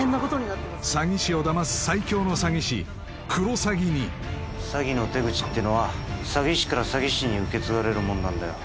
詐欺師をダマすに詐欺の手口っていうのは詐欺師から詐欺師に受け継がれるもんなんだよ